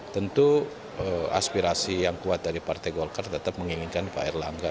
tentu aspirasi yang kuat dari partai golkar tetap menginginkan pak erlangga